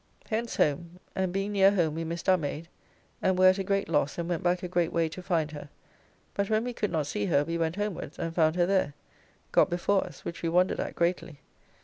Hence home, and being near home we missed our maid, and were at a great loss and went back a great way to find her, but when we could not see her we went homewards and found her there, got before us which we wondered at greatly.